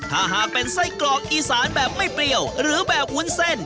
ถ้าหากเป็นไส้กรอกอีสานแบบไม่เปรี้ยวหรือแบบวุ้นเส้น